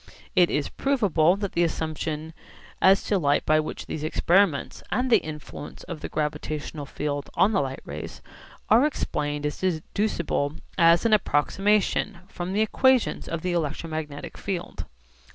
It is provable that the assumption as to light by which these experiments and the influence of the gravitational field on the light rays are explained is deducible as an approximation from the equations of the electromagnetic field.